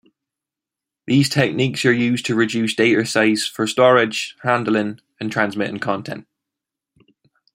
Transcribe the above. These techniques are used to reduce data size for storage, handling, and transmitting content.